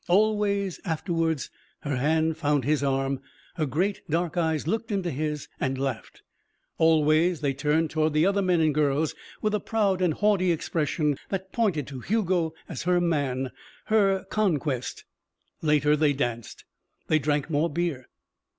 Always, afterwards, her hand found his arm, her great dark eyes looked into his and laughed. Always they turned toward the other men and girls with a proud and haughty expression that pointed to Hugo as her man, her conquest. Later they danced. They drank more beer.